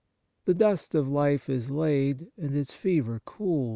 The dust of life is laid, and its fever cool.